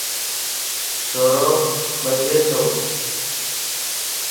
ڇورو ٻڃتو